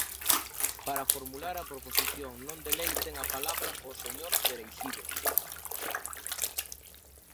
Para formular a proposición non de lei ten a palabra o señor Cereixido.